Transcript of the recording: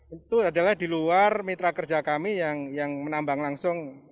itu adalah di luar mitra kerja kami yang menambang langsung